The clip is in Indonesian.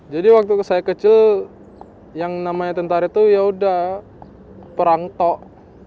jadi waktu saya kecil yang namanya tentara itu yaudah perang tok